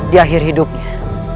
di akhir hidupnya